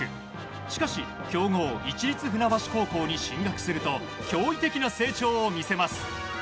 しかし、強豪市立船橋高校に進学すると驚異的な成長を見せます。